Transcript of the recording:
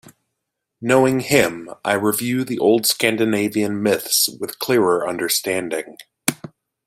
Knowing him, I review the old Scandinavian myths with clearer understanding.